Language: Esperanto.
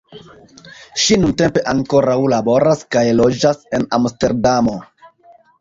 Ŝi nuntempe ankoraŭ laboras kaj loĝas en Amsterdamo.